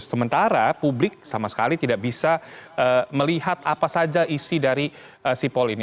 sementara publik sama sekali tidak bisa melihat apa saja isi dari sipol ini